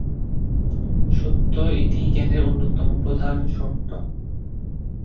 সত্য এটিই জ্ঞানের অন্যতম প্রধান শর্ত।